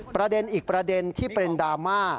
ประเด็นอีกประเด็นที่เป็นดราม่า